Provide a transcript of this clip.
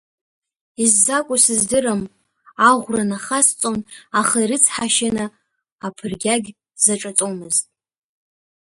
Иззакәу сыздырам, аӷәра нахасҵон, аха ирыцҳашьаны аԥыргьагь сзаҿаҵомызт.